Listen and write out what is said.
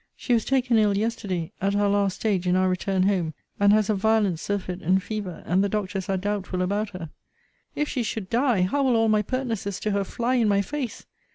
She was taken ill yesterday at our last stage in our return home and has a violent surfeit and fever, and the doctors are doubtful about her. If she should die, how will all my pertnesses to her fly in my face!